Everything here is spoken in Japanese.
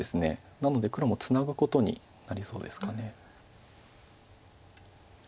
なので黒もツナぐことになりそうですか。